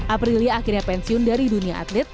aprilia akhirnya pensiun dari dunia atlet